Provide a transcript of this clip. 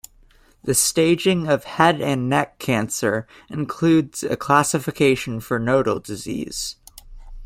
The staging of head and neck cancer includes a classification for nodal disease.